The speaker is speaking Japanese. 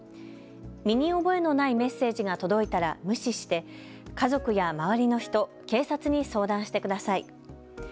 身に覚えのないメッセージが届いたら無視して家族や周りの人、警察に相談してください。